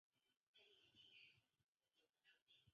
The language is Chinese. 严重副作用包含伪膜性结肠炎及全身型过敏性反应。